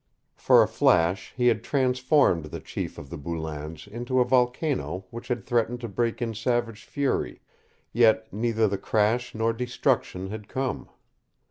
For a flash he had transformed the chief of the Boulains into a volcano which had threatened to break in savage fury, yet neither the crash nor destruction had come.